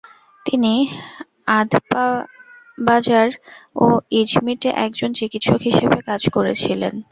তিনি আদপাবাজার ও ইজমিটে একজন চিকিৎসক হিসাবে কাজ করেছিলেন।